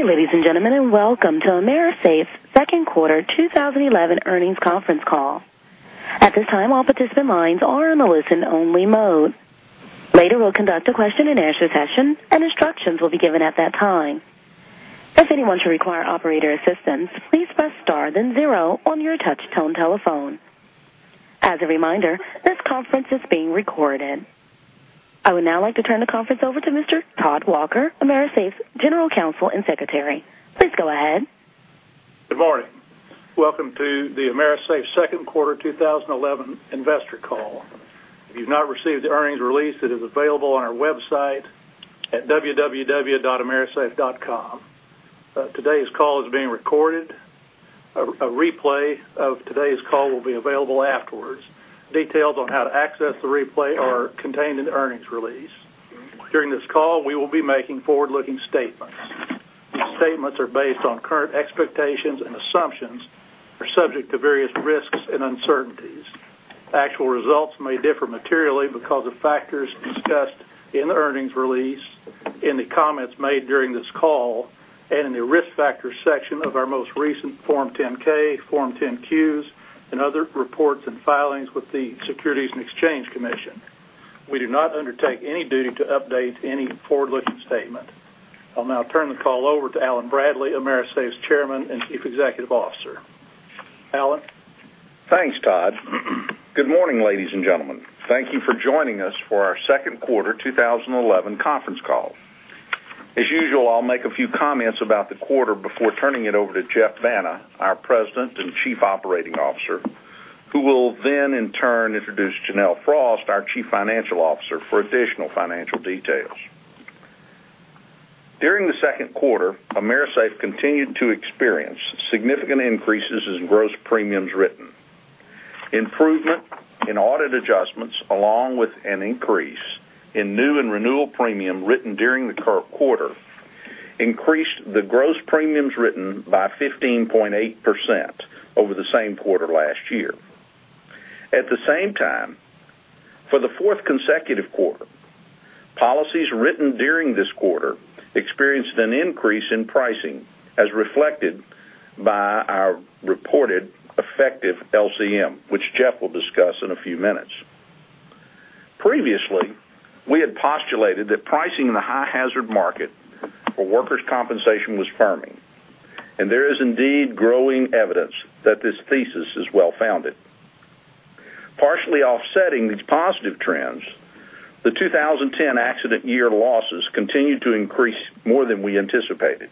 Good day, ladies and gentlemen, welcome to AMERISAFE's second quarter 2011 earnings conference call. At this time, all participant lines are in a listen-only mode. Later, we'll conduct a question-and-answer session, and instructions will be given at that time. If anyone should require operator assistance, please press star then zero on your touch-tone telephone. As a reminder, this conference is being recorded. I would now like to turn the conference over to Mr. Todd Walker, AMERISAFE's General Counsel and Secretary. Please go ahead. Good morning. Welcome to the AMERISAFE second quarter 2011 investor call. If you've not received the earnings release, it is available on our website at www.amerisafe.com. Today's call is being recorded. A replay of today's call will be available afterwards. Details on how to access the replay are contained in the earnings release. During this call, we will be making forward-looking statements. These statements are based on current expectations and assumptions, are subject to various risks and uncertainties. Actual results may differ materially because of factors discussed in the earnings release, in the comments made during this call, and in the Risk Factors section of our most recent Form 10-K, Form 10-Qs, and other reports and filings with the Securities and Exchange Commission. We do not undertake any duty to update any forward-looking statement. I'll now turn the call over to Allen Bradley, AMERISAFE's Chairman and Chief Executive Officer. Allen? Thanks, Todd. Good morning, ladies and gentlemen. Thank you for joining us for our second quarter 2011 conference call. As usual, I'll make a few comments about the quarter before turning it over to Geoff Banta, our President and Chief Operating Officer, who will, in turn, introduce Janelle Frost, our Chief Financial Officer, for additional financial details. During the second quarter, AMERISAFE continued to experience significant increases in gross premiums written. Improvement in audit adjustments, along with an increase in new and renewal premium written during the current quarter, increased the gross premiums written by 15.8% over the same quarter last year. At the same time, for the fourth consecutive quarter, policies written during this quarter experienced an increase in pricing, as reflected by our reported effective LCM, which Geoff will discuss in a few minutes. Previously, we had postulated that pricing in the high hazard market for workers' compensation was firming, there is indeed growing evidence that this thesis is well-founded. Partially offsetting these positive trends, the 2010 accident year losses continued to increase more than we anticipated.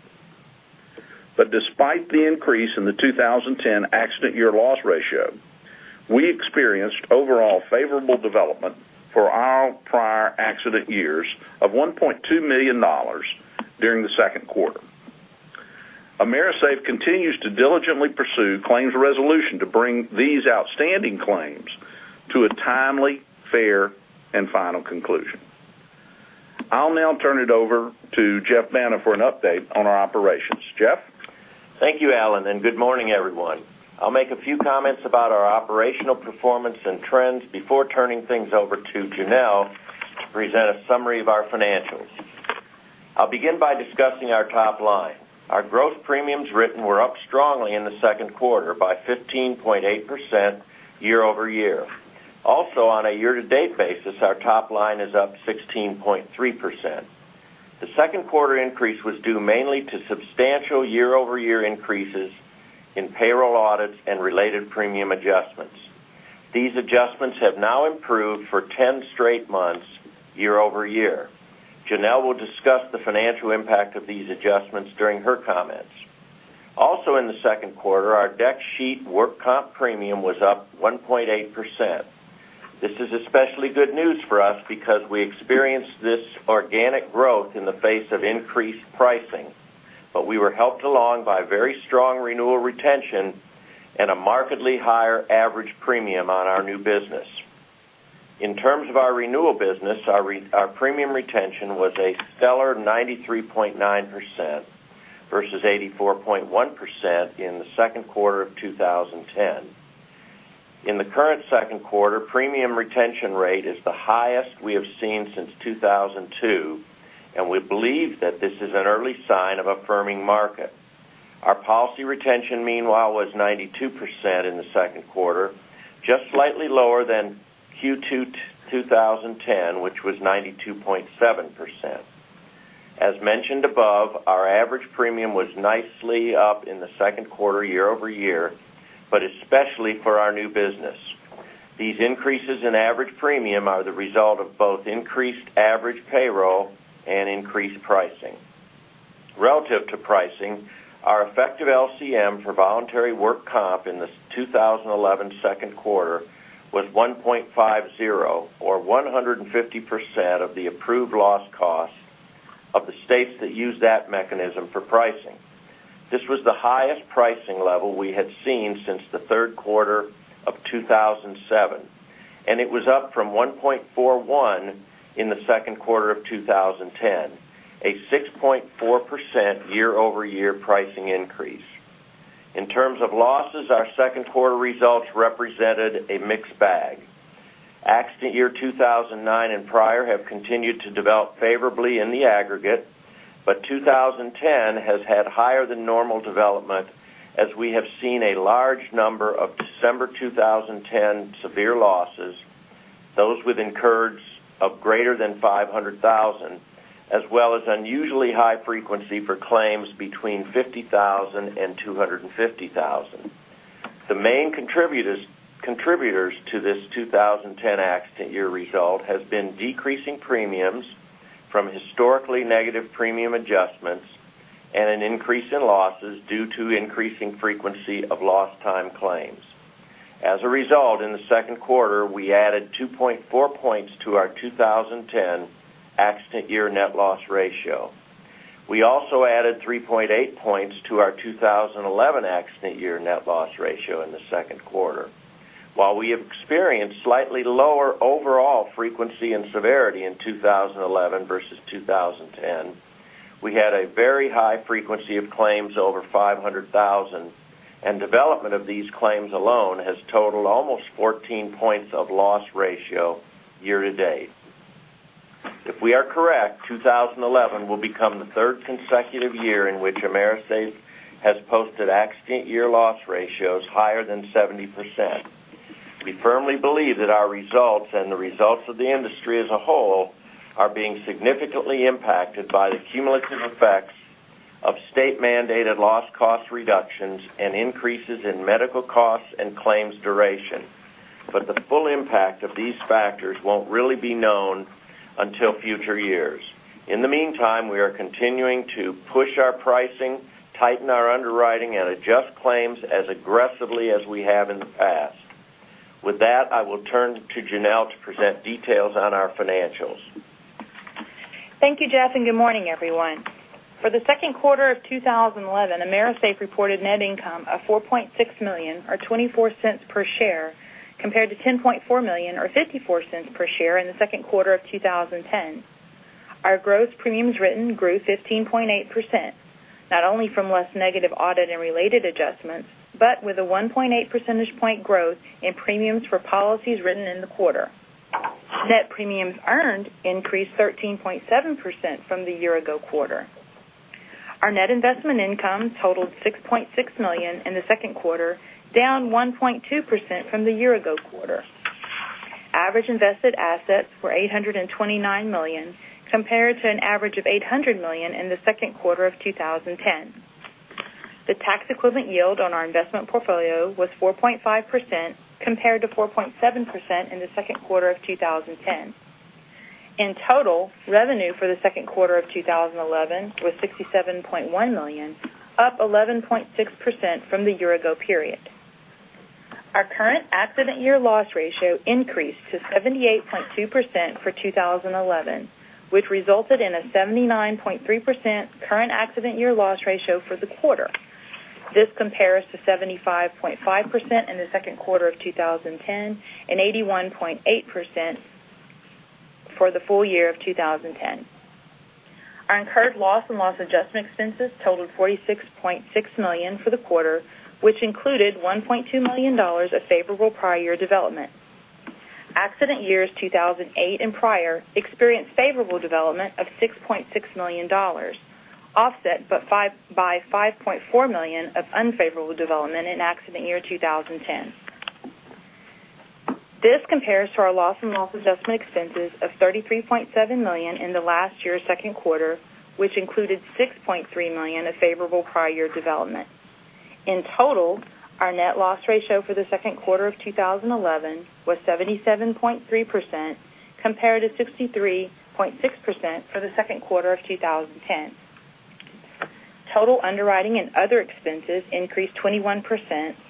Despite the increase in the 2010 accident year loss ratio, we experienced overall favorable development for our prior accident years of $1.2 million during the second quarter. AMERISAFE continues to diligently pursue claims resolution to bring these outstanding claims to a timely, fair, and final conclusion. I'll now turn it over to Geoff Banta for an update on our operations. Geoff? Thank you, Allen. Good morning, everyone. I'll make a few comments about our operational performance and trends before turning things over to Janelle to present a summary of our financials. I'll begin by discussing our top line. Our growth premiums written were up strongly in the second quarter by 15.8% year-over-year. On a year-to-date basis, our top line is up 16.3%. The second quarter increase was due mainly to substantial year-over-year increases in payroll audits and related premium adjustments. These adjustments have now improved for 10 straight months year-over-year. Janelle will discuss the financial impact of these adjustments during her comments. In the second quarter, our direct workers' compensation premium was up 1.8%. This is especially good news for us because we experienced this organic growth in the face of increased pricing. We were helped along by very strong renewal retention and a markedly higher average premium on our new business. In terms of our renewal business, our premium retention was a stellar 93.9% versus 84.1% in the second quarter of 2010. In the current second quarter, premium retention rate is the highest we have seen since 2002. We believe that this is an early sign of a firming market. Our policy retention, meanwhile, was 92% in the second quarter, just slightly lower than Q2 2010, which was 92.7%. As mentioned above, our average premium was nicely up in the second quarter year-over-year, but especially for our new business. These increases in average premium are the result of both increased average payroll and increased pricing. Relative to pricing, our effective LCM for voluntary workers' compensation in the 2011 second quarter was 1.50 or 150% of the approved loss cost of the states that use that mechanism for pricing. This was the highest pricing level we had seen since the third quarter of 2007. It was up from 1.41 in the second quarter of 2010, a 6.4% year-over-year pricing increase. In terms of losses, our second quarter results represented a mixed bag. Accident year 2009 and prior have continued to develop favorably in the aggregate. 2010 has had higher than normal development, as we have seen a large number of December 2010 severe losses, those with incurs of greater than 500,000, as well as unusually high frequency for claims between 50,000 and 250,000. The main contributors to this 2010 accident year result has been decreasing premiums from historically negative premium adjustments and an increase in losses due to increasing frequency of lost time claims. As a result, in the second quarter, we added 2.4 points to our 2010 accident year net loss ratio. We also added 3.8 points to our 2011 accident year net loss ratio in the second quarter. While we have experienced slightly lower overall frequency and severity in 2011 versus 2010, we had a very high frequency of claims over 500,000. Development of these claims alone has totaled almost 14 points of loss ratio year-to-date. If we are correct, 2011 will become the third consecutive year in which AMERISAFE has posted accident year loss ratios higher than 70%. We firmly believe that our results and the results of the industry as a whole are being significantly impacted by the cumulative effects of state-mandated loss cost reductions and increases in medical costs and claims duration. The full impact of these factors won't really be known until future years. In the meantime, we are continuing to push our pricing, tighten our underwriting, and adjust claims as aggressively as we have in the past. With that, I will turn to Janelle to present details on our financials. Thank you, Geoff, and good morning, everyone. For the second quarter of 2011, AMERISAFE reported net income of $4.6 million, or $0.24 per share, compared to $10.4 million or $0.54 per share in the second quarter of 2010. Our gross premiums written grew 15.8%, not only from less negative audit and related adjustments, but with a 1.8 percentage point growth in premiums for policies written in the quarter. Net premiums earned increased 13.7% from the year ago quarter. Our net investment income totaled $6.6 million in the second quarter, down 1.2% from the year ago quarter. Average invested assets were $829 million, compared to an average of $800 million in the second quarter of 2010. The tax equivalent yield on our investment portfolio was 4.5%, compared to 4.7% in the second quarter of 2010. In total, revenue for the second quarter of 2011 was $67.1 million, up 11.6% from the year ago period. Our current accident year loss ratio increased to 78.2% for 2011, which resulted in a 79.3% current accident year loss ratio for the quarter. This compares to 75.5% in the second quarter of 2010 and 81.8% for the full year of 2010. Our incurred loss and loss adjustment expenses totaled $46.6 million for the quarter, which included $1.2 million of favorable prior year development. Accident years 2008 and prior experienced favorable development of $6.6 million, offset by $5.4 million of unfavorable development in accident year 2010. This compares to our loss and loss adjustment expenses of $33.7 million in the last year's second quarter, which included $6.3 million of favorable prior year development. In total, our net loss ratio for the second quarter of 2011 was 77.3%, compared to 63.6% for the second quarter of 2010. Total underwriting and other expenses increased 21%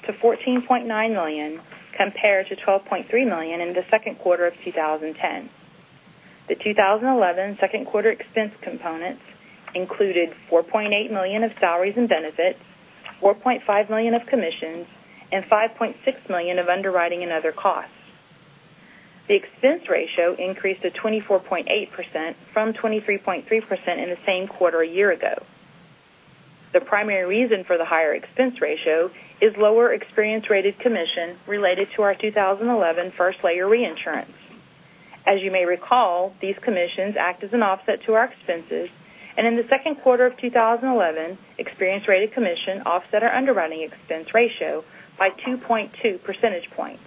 to $14.9 million, compared to $12.3 million in the second quarter of 2010. The 2011 second quarter expense components included $4.8 million of salaries and benefits, $4.5 million of commissions, and $5.6 million of underwriting and other costs. The expense ratio increased to 24.8% from 23.3% in the same quarter a year ago. The primary reason for the higher expense ratio is lower experience-rated commission related to our 2011 first layer reinsurance. As you may recall, these commissions act as an offset to our expenses, and in the second quarter of 2011, experience-rated commission offset our underwriting expense ratio by 2.2 percentage points,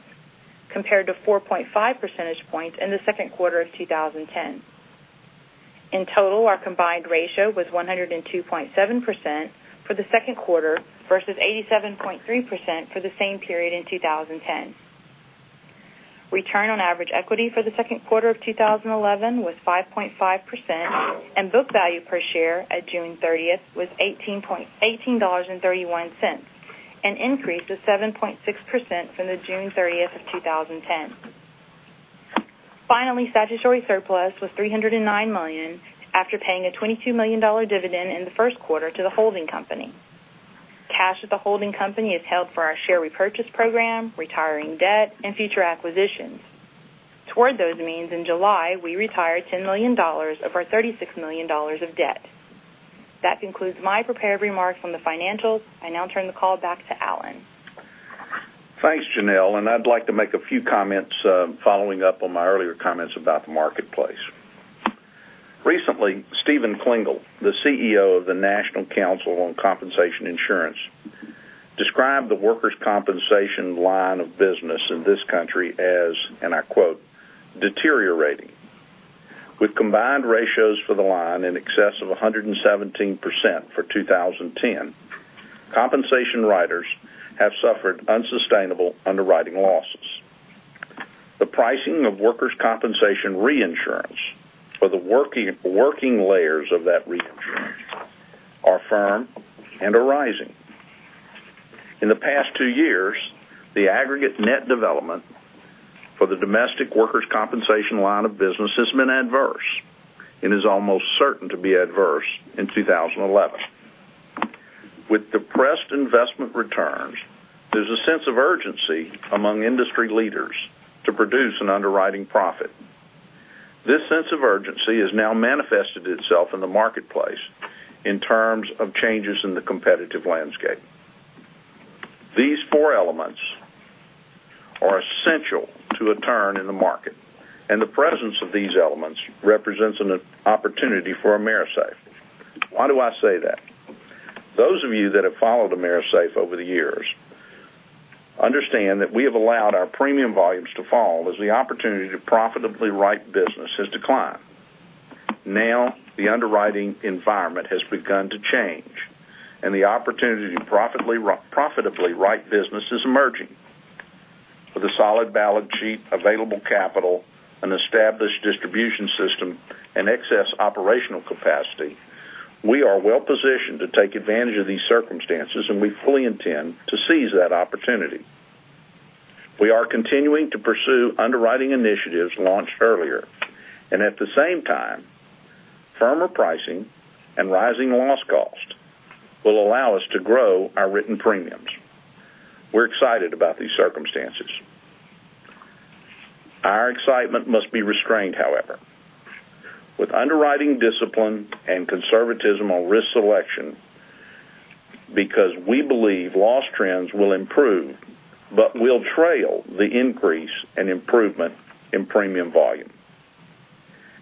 compared to 4.5 percentage points in the second quarter of 2010. In total, our combined ratio was 102.7% for the second quarter versus 87.3% for the same period in 2010. Return on average equity for the second quarter of 2011 was 5.5%, and book value per share at June 30th was $18.31, an increase of 7.6% from the June 30th of 2010. Finally, statutory surplus was $309 million after paying a $22 million dividend in the first quarter to the holding company. Cash at the holding company is held for our share repurchase program, retiring debt, and future acquisitions. Toward those means, in July, we retired $10 million of our $36 million of debt. That concludes my prepared remarks on the financials. I now turn the call back to Allen. Thanks, Janelle, I'd like to make a few comments following up on my earlier comments about the marketplace. Recently, Stephen Klingel, the CEO of the National Council on Compensation Insurance, described the workers' compensation line of business in this country as, and I quote, "deteriorating." With combined ratios for the line in excess of 117% for 2010, compensation writers have suffered unsustainable underwriting losses. The pricing of workers' compensation reinsurance, or the working layers of that reinsurance, are firm and are rising. In the past two years, the aggregate net development for the domestic workers' compensation line of business has been adverse and is almost certain to be adverse in 2011. With depressed investment returns, there's a sense of urgency among industry leaders to produce an underwriting profit. This sense of urgency has now manifested itself in the marketplace in terms of changes in the competitive landscape. These four elements are essential to a turn in the market, the presence of these elements represents an opportunity for AMERISAFE. Why do I say that? Those of you that have followed AMERISAFE over the years understand that we have allowed our premium volumes to fall as the opportunity to profitably write business has declined. The underwriting environment has begun to change, the opportunity to profitably write business is emerging. With a solid balance sheet, available capital, an established distribution system, and excess operational capacity, we are well-positioned to take advantage of these circumstances, we fully intend to seize that opportunity. We are continuing to pursue underwriting initiatives launched earlier at the same time, firmer pricing and rising loss cost will allow us to grow our written premiums. We're excited about these circumstances. Our excitement must be restrained, however, with underwriting discipline and conservatism on risk selection, because we believe loss trends will improve, but will trail the increase and improvement in premium volume.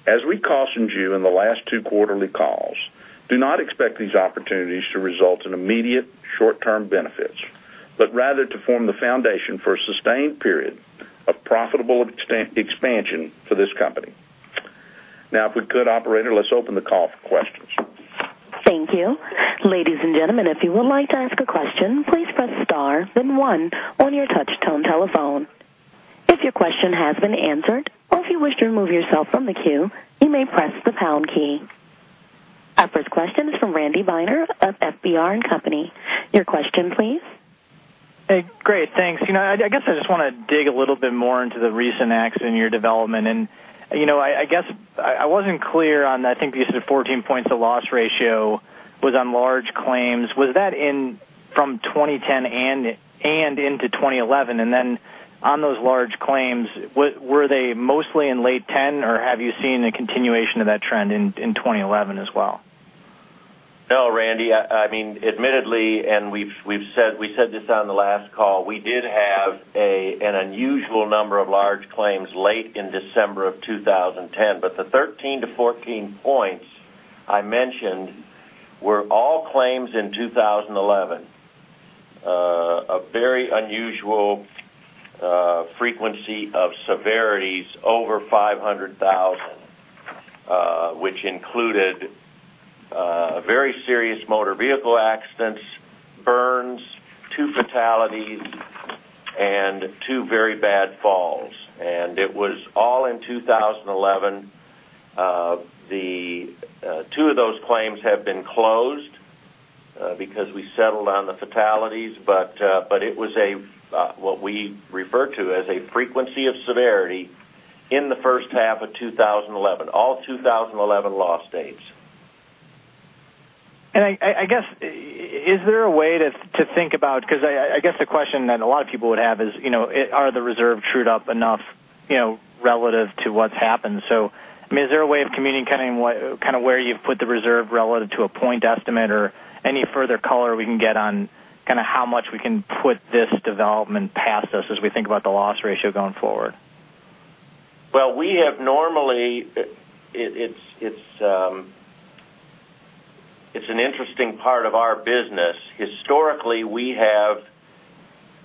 As we cautioned you in the last two quarterly calls, do not expect these opportunities to result in immediate short-term benefits, but rather to form the foundation for a sustained period of profitable expansion for this company. If we could, operator, let's open the call for questions. Thank you. Ladies and gentlemen, if you would like to ask a question, please press star then one on your touch tone telephone. If your question has been answered or if you wish to remove yourself from the queue, you may press the pound key. Our first question is from Randy Binner of FBR & Co.. Your question, please. Hey, great. Thanks. I guess I just want to dig a little bit more into the recent accident year development. I guess I wasn't clear on, I think you said 14 points the loss ratio was on large claims. Was that from 2010 and into 2011? Then on those large claims, were they mostly in late 2010, or have you seen a continuation of that trend in 2011 as well? No, Randy, admittedly, we said this on the last call, we did have an unusual number of large claims late in December of 2010. The 13 to 14 points I mentioned were all claims in 2011. A very unusual frequency of severities over 500,000, which included very serious motor vehicle accidents, burns, two fatalities, and two very bad falls. It was all in 2011. Two of those claims have been closed because we settled on the fatalities, but it was what we refer to as a frequency of severity in the first half of 2011, all 2011 loss dates. Is there a way to think about, because I guess the question that a lot of people would have is, are the reserves trued up enough relative to what's happened? Is there a way of communicating where you've put the reserve relative to a point estimate or any further color we can get on how much we can put this development past us as we think about the loss ratio going forward? Well, it's an interesting part of our business. Historically, we have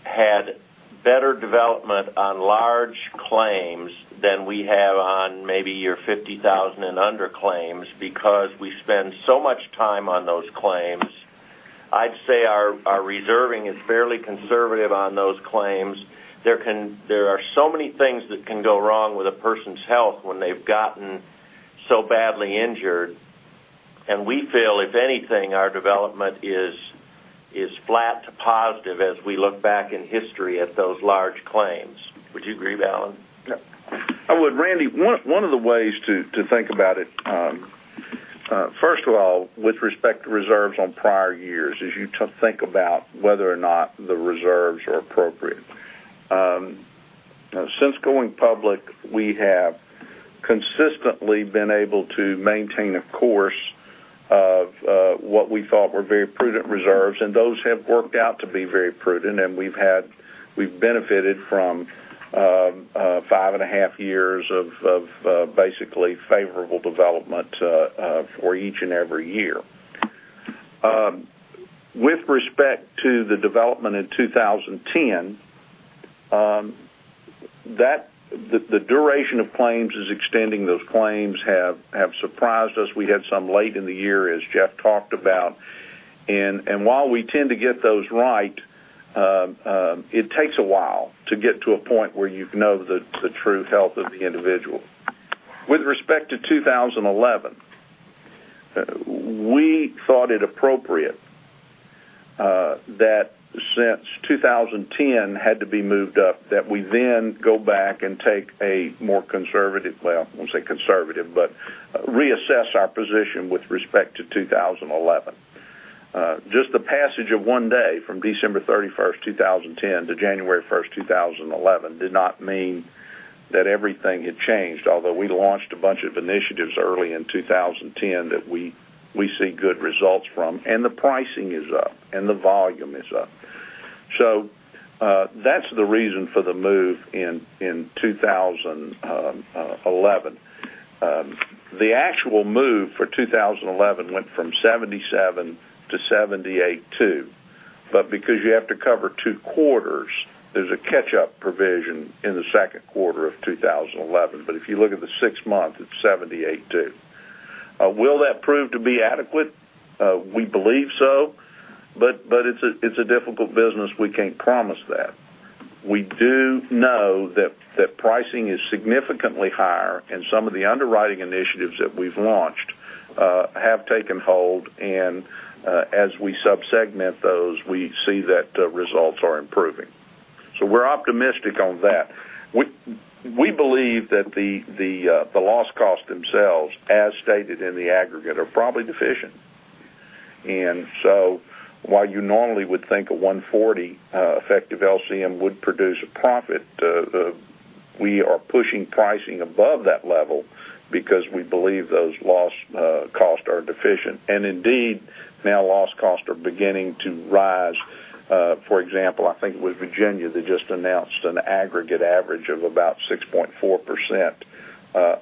had better development on large claims than we have on maybe your 50,000 and under claims because we spend so much time on those claims. I'd say our reserving is fairly conservative on those claims. There are so many things that can go wrong with a person's health when they've gotten so badly injured, and we feel if anything, our development is flat to positive as we look back in history at those large claims. Would you agree, Allen? Yeah. I would. Randy, one of the ways to think about it, first of all, with respect to reserves on prior years, is you think about whether or not the reserves are appropriate. Since going public, we have consistently been able to maintain a course of what we thought were very prudent reserves, and those have worked out to be very prudent. We've benefited from five and a half years of basically favorable development for each and every year. With respect to the development in 2010, the duration of claims is extending. Those claims have surprised us. We had some late in the year, as Geoff talked about. While we tend to get those right, it takes a while to get to a point where you know the true health of the individual. With respect to 2011, we thought it appropriate that since 2010 had to be moved up, that we then go back and take a more conservative, well, I won't say conservative, but reassess our position with respect to 2011. Just the passage of one day from December 31st, 2010 to January 1st, 2011, did not mean that everything had changed. Although we launched a bunch of initiatives early in 2010 that we see good results from, and the pricing is up, and the volume is up. That's the reason for the move in 2011. The actual move for 2011 went from 77 to 78.2. Because you have to cover two quarters, there's a catch-up provision in the second quarter of 2011. If you look at the six months, it's 78.2. Will that prove to be adequate? We believe so. It's a difficult business, we can't promise that. We do know that pricing is significantly higher, some of the underwriting initiatives that we've launched have taken hold. As we sub-segment those, we see that results are improving. We're optimistic on that. We believe that the loss cost themselves, as stated in the aggregate, are probably deficient. While you normally would think a 140 effective LCM would produce a profit, we are pushing pricing above that level because we believe those loss costs are deficient. Indeed, now loss costs are beginning to rise. For example, I think it was Virginia that just announced an aggregate average of about 6.4%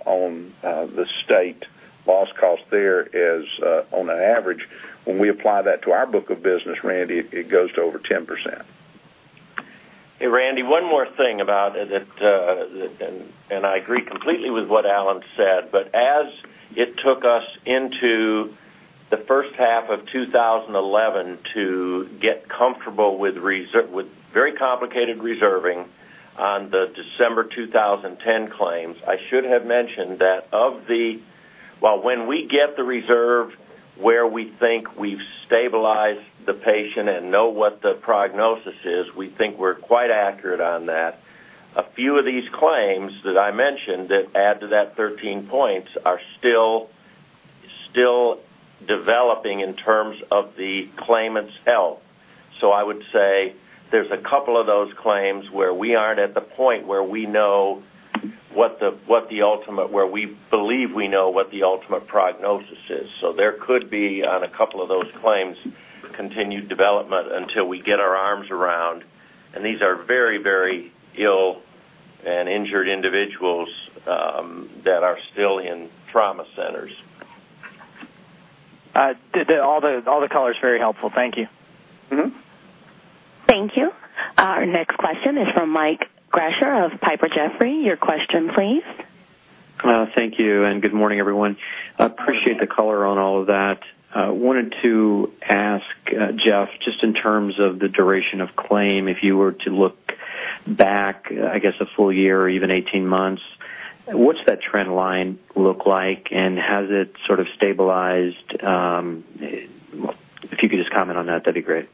on the state. Loss cost there is on an average. When we apply that to our book of business, Randy, it goes to over 10%. Hey, Randy, one more thing about it. I agree completely with what Alan said, as it took us into the first half of 2011 to get comfortable with very complicated reserving on the December 2010 claims, I should have mentioned that when we get the reserve where we think we've stabilized the patient and know what the prognosis is, we think we're quite accurate on that. A few of these claims that I mentioned that add to that 13 points are still developing in terms of the claimant's health. I would say there's a couple of those claims where we aren't at the point where we believe we know what the ultimate prognosis is. There could be, on a couple of those claims, continued development until we get our arms around, and these are very, very ill and injured individuals that are still in trauma centers. All the color is very helpful. Thank you. Thank you. Our next question is from Michael Grasher of Piper Jaffray. Your question please. Thank you, and good morning, everyone. Appreciate the color on all of that. Wanted to ask Geoff, just in terms of the duration of claim, if you were to look back, I guess, a full year or even 18 months, what's that trend line look like, and has it sort of stabilized? If you could just comment on that'd be great.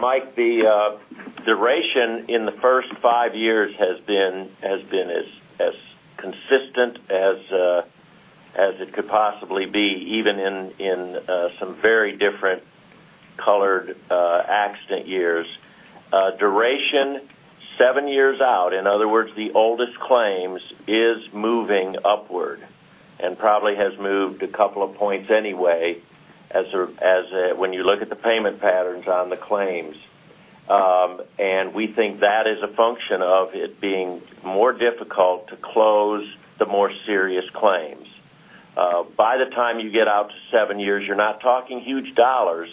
Mike, the duration in the first five years has been as consistent as it could possibly be, even in some very different colored accident years. Duration, seven years out, in other words, the oldest claims, is moving upward. Probably has moved a couple of points anyway, when you look at the payment patterns on the claims. We think that is a function of it being more difficult to close the more serious claims. By the time you get out to seven years, you're not talking huge dollars,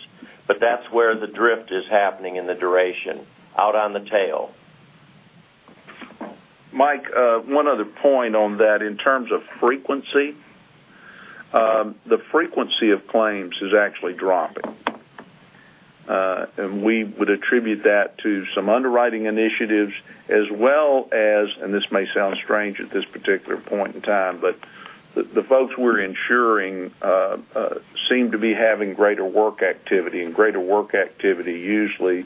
but that's where the drift is happening in the duration, out on the tail. Mike, one other point on that. In terms of frequency, the frequency of claims is actually dropping. We would attribute that to some underwriting initiatives as well as, this may sound strange at this particular point in time, the folks we're insuring seem to be having greater work activity. Greater work activity usually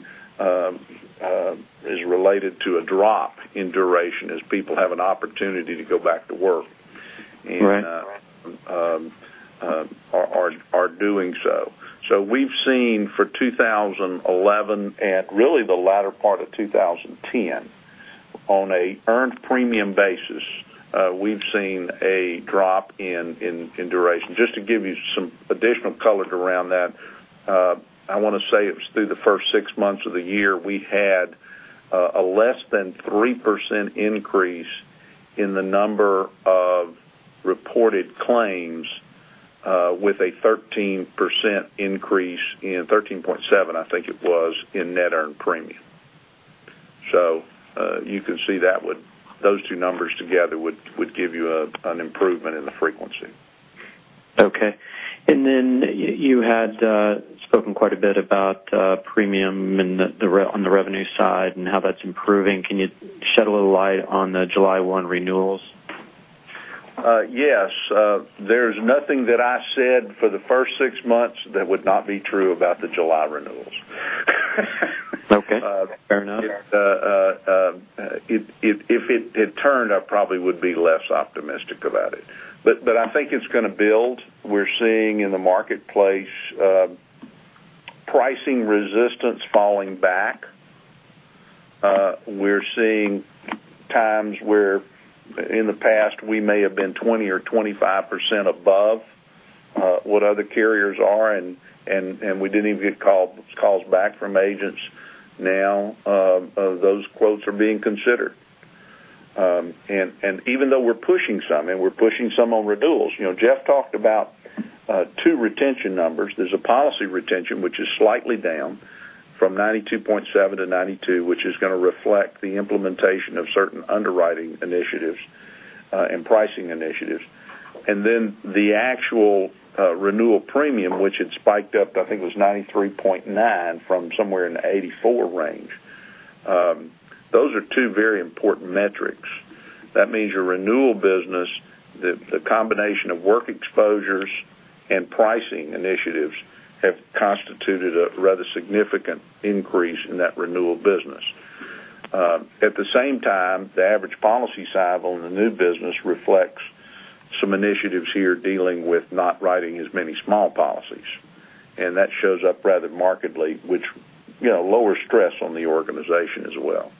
is related to a drop in duration as people have an opportunity to go back to work. Right. They are doing so. We've seen for 2011, and really the latter part of 2010, on an earned premium basis, we've seen a drop in duration. Just to give you some additional color around that, I want to say it was through the first six months of the year, we had a less than 3% increase in the number of reported claims, with a 13% increase in 13.7, I think it was, in net earned premium. You can see those two numbers together would give you an improvement in the frequency. Okay. You had spoken quite a bit about premium on the revenue side and how that's improving. Can you shed a little light on the July 1 renewals? Yes. There's nothing that I said for the first six months that would not be true about the July renewals. Okay. Fair enough. If it had turned, I probably would be less optimistic about it. I think it's going to build. We're seeing in the marketplace pricing resistance falling back. We're seeing times where, in the past, we may have been 20% or 25% above what other carriers are, and we didn't even get calls back from agents. Now, those quotes are being considered. Even though we're pushing some, and we're pushing some on renewals. Geoff talked about two retention numbers. There's a policy retention, which is slightly down from 92.7 to 92, which is going to reflect the implementation of certain underwriting initiatives and pricing initiatives. The actual renewal premium, which had spiked up to, I think it was 93.9 from somewhere in the 84 range. Those are two very important metrics. That means your renewal business, the combination of work exposures and pricing initiatives have constituted a rather significant increase in that renewal business. At the same time, the average policy cycle in the new business reflects some initiatives here dealing with not writing as many small policies. That shows up rather markedly, which lowers stress on the organization as well.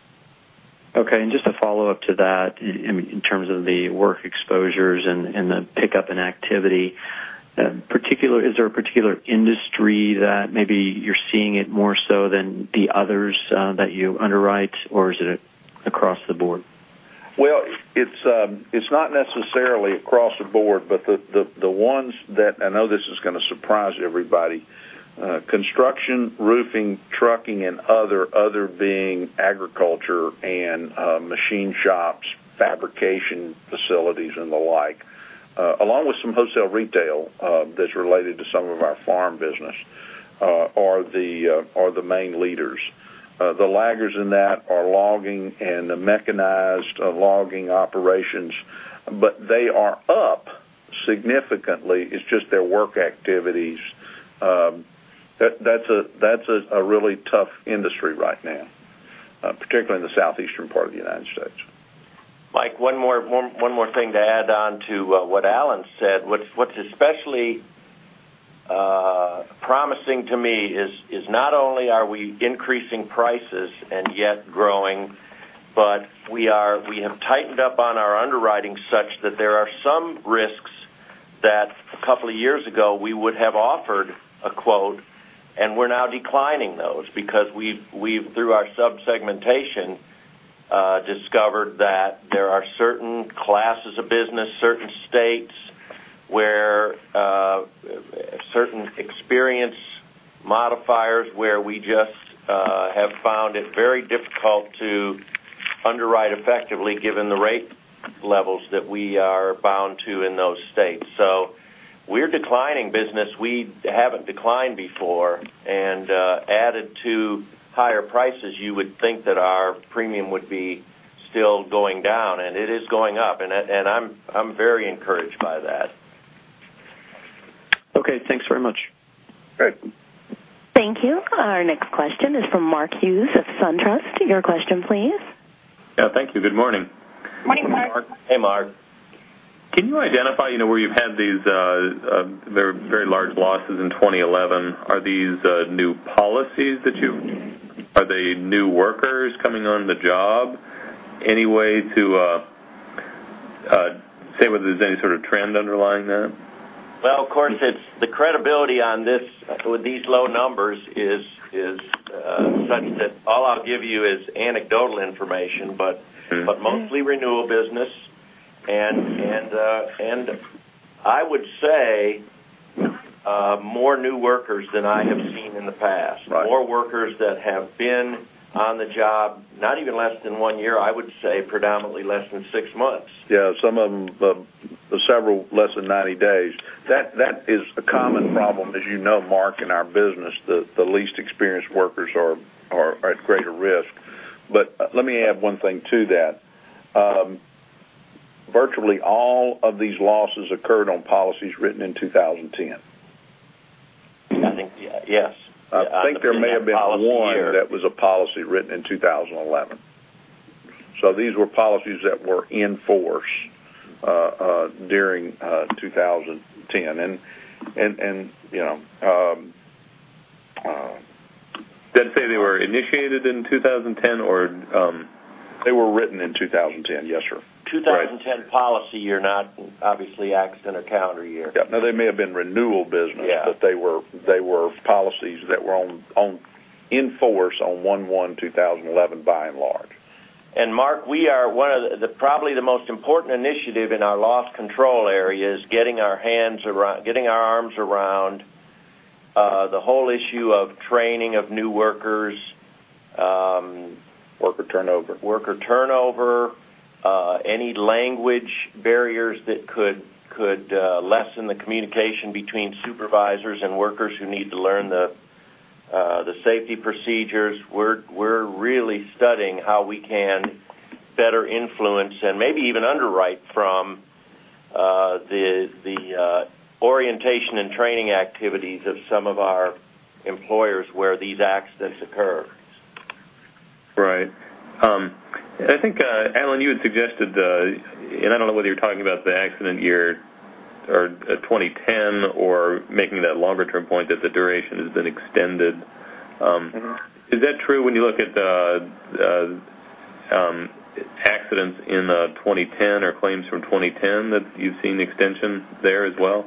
Just a follow-up to that in terms of the work exposures and the pickup in activity. Is there a particular industry that maybe you're seeing it more so than the others that you underwrite, or is it across the board? It's not necessarily across the board, but the ones that, I know this is going to surprise everybody. Construction, roofing, trucking, and other being agriculture and machine shops, fabrication facilities, and the like, along with some wholesale retail that's related to some of our farm business, are the main leaders. The laggards in that are logging and the mechanized logging operations, but they are up significantly. It's just their work activities. That's a really tough industry right now, particularly in the southeastern part of the U.S. Mike, one more thing to add on to what C. Allen said. What's especially promising to me is not only are we increasing prices and yet growing, but we have tightened up on our underwriting such that there are some risks that a couple of years ago we would have offered a quote, and we're now declining those. Because we've, through our sub-segmentation, discovered that there are certain classes of business, certain states where certain experience modifiers, where we just have found it very difficult to underwrite effectively given the rate levels that we are bound to in those states. We're declining business we haven't declined before, and added to higher prices, you would think that our premium would be still going down, and it is going up, and I'm very encouraged by that. Okay, thanks very much. Great. Thank you. Our next question is from Mark Hughes of SunTrust. Your question, please. Yeah, thank you. Good morning. Morning, Mark. Hey, Mark. Can you identify where you've had these very large losses in 2011? Are these new policies that are they new workers coming on the job? Any way to say whether there's any sort of trend underlying that? Well, of course, the credibility on these low numbers is such that all I'll give you is anecdotal information. Mostly renewal business. I would say more new workers than I have seen in the past. Right. More workers that have been on the job, not even less than one year, I would say predominantly less than six months. Yeah, some of them, several less than 90 days. That is a common problem, as you know, Mark, in our business, the least experienced workers are at greater risk. Let me add one thing to that. Virtually all of these losses occurred on policies written in 2010. Yes. I think there may have been one that was a policy written in 2011. These were policies that were in force during 2010. Does that say they were initiated in 2010 or? They were written in 2010. Yes, sir. 2010 policy year, not obviously accident or calendar year. Yeah. No, they may have been renewal business. But they were policies that were in force on 01/01/2011, by and large. Mark, probably the most important initiative in our loss control area is getting our arms around the whole issue of training of new workers. Worker turnover. Worker turnover, any language barriers that could lessen the communication between supervisors and workers who need to learn the safety procedures. We're really studying how we can better influence, and maybe even underwrite from, the orientation and training activities of some of our employers where these accidents occur. Right. I think, Alan, you had suggested, and I don't know whether you're talking about the accident year or 2010 or making that longer-term point that the duration has been extended. Is that true when you look at accidents in 2010 or claims from 2010, that you've seen extension there as well?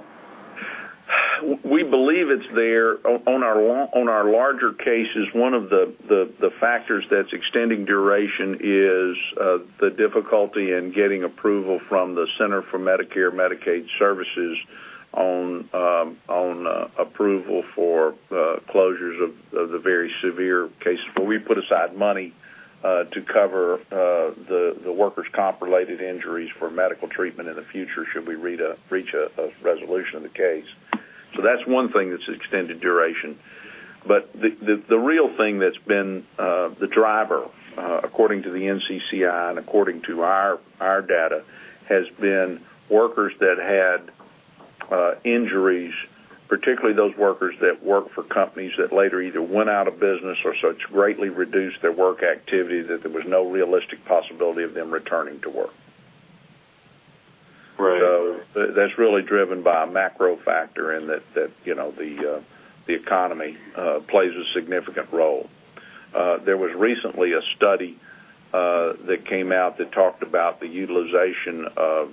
We believe it's there. On our larger cases, one of the factors that's extending duration is the difficulty in getting approval from the Centers for Medicare & Medicaid Services on approval for closures of the very severe cases, where we put aside money to cover the workers' comp-related injuries for medical treatment in the future should we reach a resolution of the case. That's one thing that's extended duration. The real thing that's been the driver, according to the NCCI and according to our data, has been workers that had injuries, particularly those workers that work for companies that later either went out of business or so greatly reduced their work activity that there was no realistic possibility of them returning to work. Right. That's really driven by a macro factor in that the economy plays a significant role. There was recently a study that came out that talked about the utilization of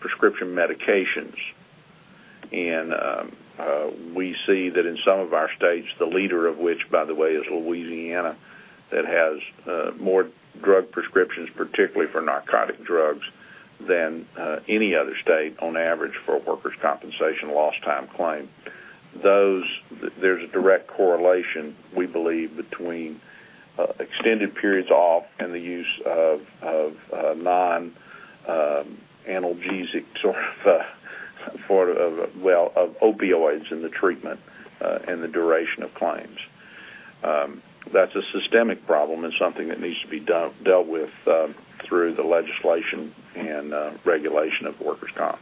prescription medications. We see that in some of our states, the leader of which, by the way, is Louisiana, that has more drug prescriptions, particularly for narcotic drugs, than any other state on average for workers' compensation lost time claim. There's a direct correlation, we believe, between extended periods off and the use of non-analgesic opioids in the treatment and the duration of claims. That's a systemic problem and something that needs to be dealt with through the legislation and regulation of workers' comp.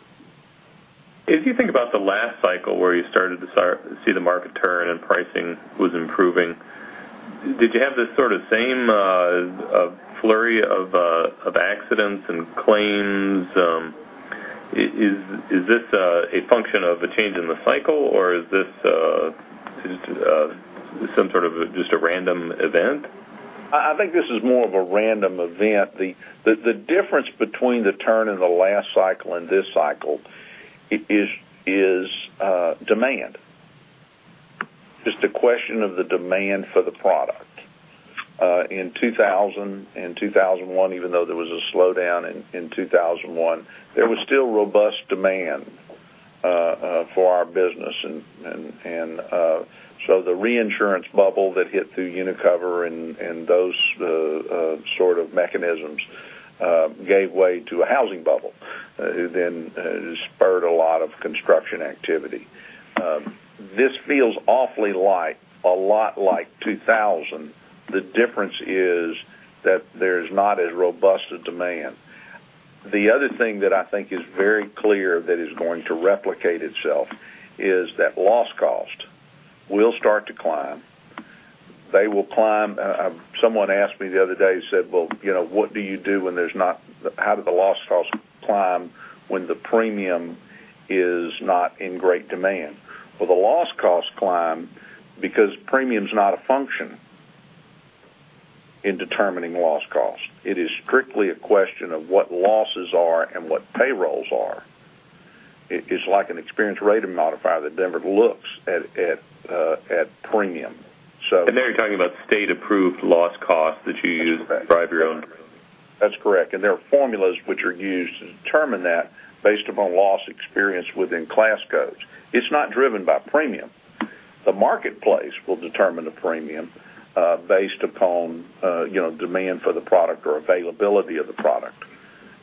If you think about the last cycle where you started to see the market turn and pricing was improving, did you have this sort of same flurry of accidents and claims? Is this a function of a change in the cycle, or is this some sort of just a random event? I think this is more of a random event. The difference between the turn in the last cycle and this cycle is demand. Just a question of the demand for the product. In 2000 and 2001, even though there was a slowdown in 2001, there was still robust demand for our business. The reinsurance bubble that hit through Unicover and those sort of mechanisms gave way to a housing bubble, then spurred a lot of construction activity. This feels awfully a lot like 2000. The difference is that there's not as robust a demand. The other thing that I think is very clear that is going to replicate itself is that loss cost will start to climb. Someone asked me the other day, said, "How did the loss cost climb when the premium is not in great demand?" The loss cost climbed because premium's not a function in determining loss cost. It is strictly a question of what losses are and what payrolls are. It's like an experience rate modifier that never looks at premium. There you're talking about state-approved loss cost that you use to drive your own. That's correct. That's correct. There are formulas which are used to determine that based upon loss experience within class codes. It's not driven by premium. The marketplace will determine the premium based upon demand for the product or availability of the product.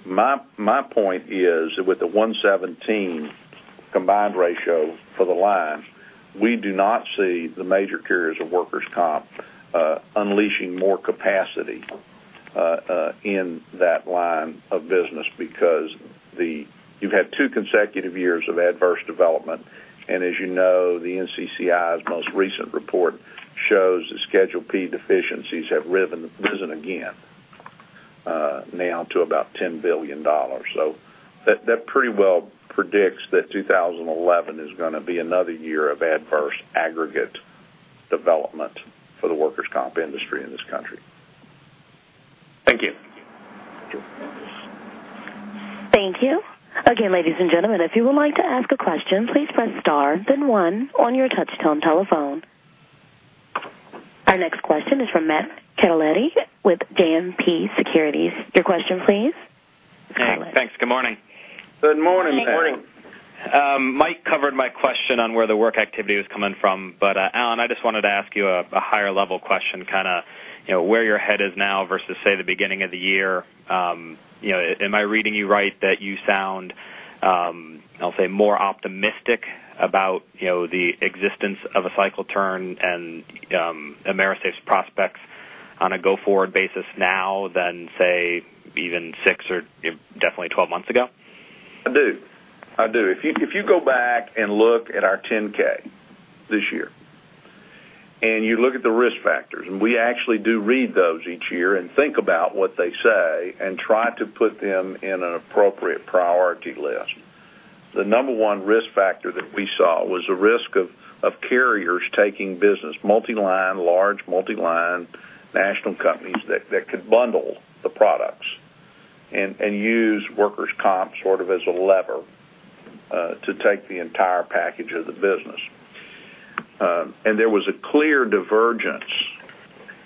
My point is that with the 117 combined ratio for the line, we do not see the major carriers of workers' comp unleashing more capacity in that line of business, because you've had two consecutive years of adverse development, and as you know, the NCCI's most recent report shows that Schedule P deficiencies have risen again now to about $10 billion. That pretty well predicts that 2011 is going to be another year of adverse aggregate development for the workers' comp industry in this country. Thank you. You're welcome. Thank you. Again, ladies and gentlemen, if you would like to ask a question, please press star then one on your touchtone telephone. Our next question is from Matthew Carletti with JMP Securities. Your question, please, Matt. Thanks. Good morning. Good morning, Matt. Morning. Mike covered my question on where the work activity was coming from. Allen, I just wanted to ask you a higher level question, where your head is now versus, say, the beginning of the year. Am I reading you right that you sound, I'll say, more optimistic about the existence of a cycle turn and AMERISAFE's prospects on a go-forward basis now than, say, even six or definitely 12 months ago? I do. If you go back and look at our 10-K this year, you look at the risk factors, we actually do read those each year and think about what they say and try to put them in an appropriate priority list. The number 1 risk factor that we saw was the risk of carriers taking business, multi-line, large multi-line national companies that could bundle the products and use workers' comp sort of as a lever to take the entire package of the business. There was a clear divergence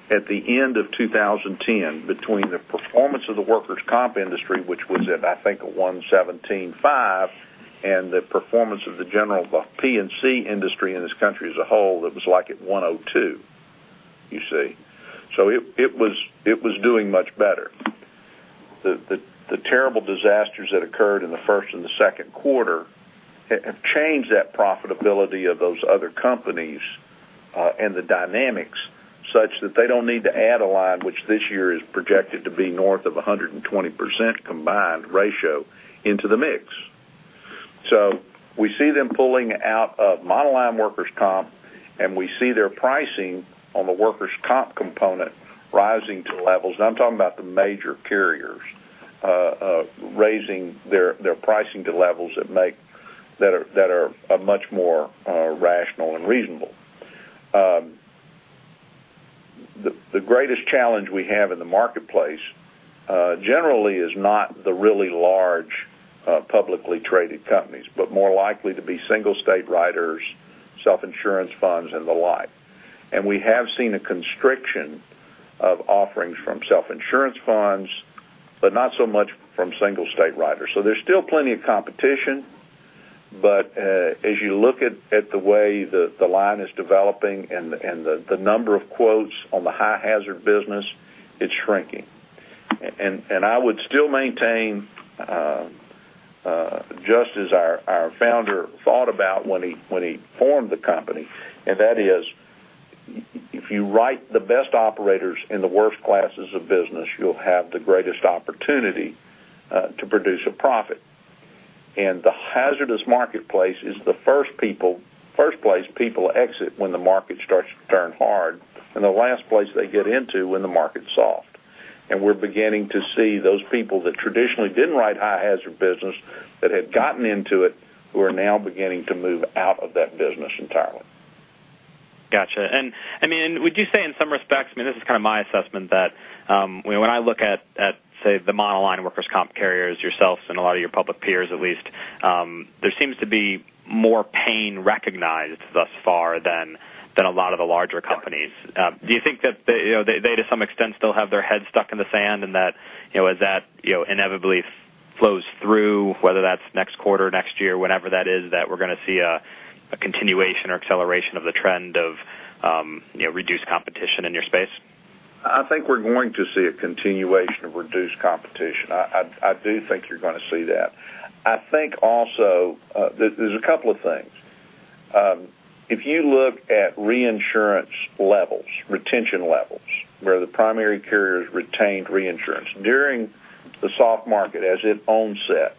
at the end of 2010 between the performance of the workers' comp industry, which was at, I think, a 117.5, and the performance of the general P&C industry in this country as a whole, that was like at 102. You see? It was doing much better. The terrible disasters that occurred in the first and the second quarter have changed that profitability of those other companies, the dynamics such that they don't need to add a line, which this year is projected to be north of 120% combined ratio into the mix. We see them pulling out of monoline workers' comp, we see their pricing on the workers' comp component rising to levels. I'm talking about the major carriers raising their pricing to levels that are much more rational and reasonable. The greatest challenge we have in the marketplace, generally, is not the really large, publicly traded companies, but more likely to be single-state writers, self-insurance funds, and the like. We have seen a constriction of offerings from self-insurance funds, but not so much from single-state writers. There's still plenty of competition. As you look at the way the line is developing and the number of quotes on the high hazard business, it's shrinking. I would still maintain, just as our founder thought about when he formed the company, that is if you write the best operators in the worst classes of business, you'll have the greatest opportunity to produce a profit. The hazardous marketplace is the first place people exit when the market starts to turn hard and the last place they get into when the market's soft. We're beginning to see those people that traditionally didn't write high hazard business that had gotten into it, who are now beginning to move out of that business entirely. Got you. Would you say in some respects, this is my assessment that, when I look at, say, the monoline workers' comp carriers yourselves and a lot of your public peers at least, there seems to be more pain recognized thus far than a lot of the larger companies. Right. Do you think that they, to some extent, still have their head stuck in the sand, and that inevitably flows through, whether that's next quarter, next year, whenever that is, that we're going to see a continuation or acceleration of the trend of reduced competition in your space? I think we're going to see a continuation of reduced competition. I do think you're going to see that. I think also, there's a couple of things. If you look at reinsurance levels, retention levels, where the primary carriers retained reinsurance. During the soft market, as it onset,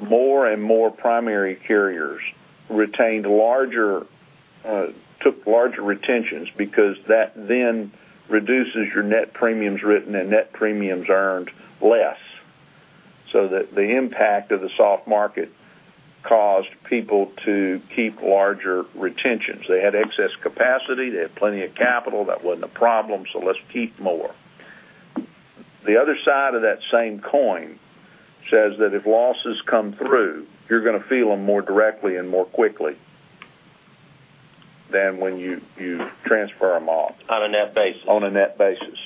more and more primary carriers took larger retentions because that then reduces your net premiums written and net premiums earned less, so that the impact of the soft market caused people to keep larger retentions. They had excess capacity. They had plenty of capital. That wasn't a problem, so let's keep more. The other side of that same coin says that if losses come through, you're going to feel them more directly and more quickly than when you transfer them off. On a net basis. On a net basis.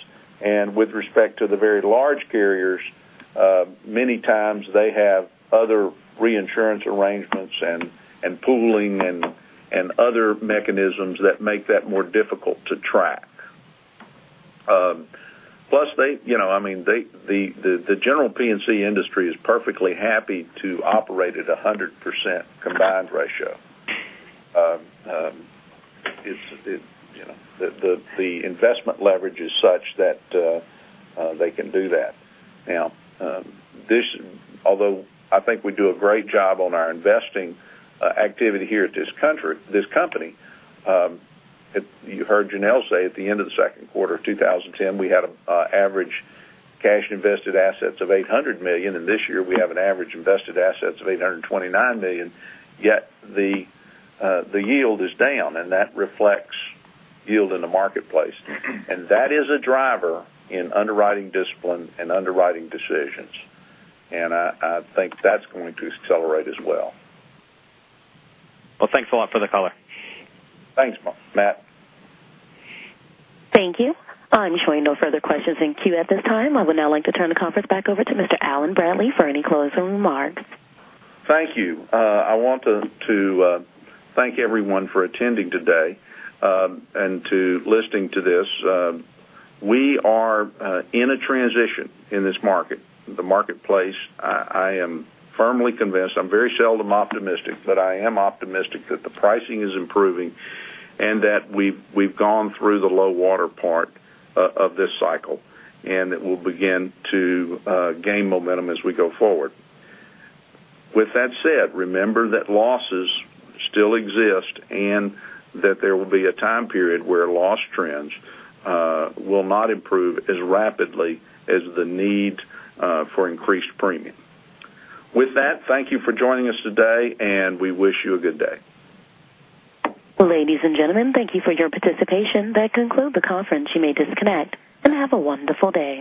With respect to the very large carriers, many times they have other reinsurance arrangements and pooling and other mechanisms that make that more difficult to track. The general P&C industry is perfectly happy to operate at 100% combined ratio. The investment leverage is such that they can do that. Although I think we do a great job on our investing activity here at this company, you heard Janelle say at the end of the second quarter of 2010, we had an average cash invested assets of $800 million. This year we have an average invested assets of $829 million, yet the yield is down, and that reflects yield in the marketplace. That is a driver in underwriting discipline and underwriting decisions. I think that's going to accelerate as well. Thanks a lot for the color. Thanks, Matt. Thank you. I'm showing no further questions in queue at this time. I would now like to turn the conference back over to Mr. Allen Bradley for any closing remarks. Thank you. I want to thank everyone for attending today, and to listening to this. We are in a transition in this market, the marketplace. I am firmly convinced, I'm very seldom optimistic, but I am optimistic that the pricing is improving and that we've gone through the low water part of this cycle, and it will begin to gain momentum as we go forward. With that said, remember that losses still exist and that there will be a time period where loss trends will not improve as rapidly as the need for increased premium. With that, thank you for joining us today, and we wish you a good day. Ladies and gentlemen, thank you for your participation. That conclude the conference. You may disconnect and have a wonderful day.